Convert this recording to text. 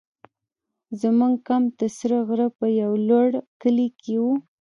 زموږ کمپ د سره غره په یو لوړ کلي کې وو.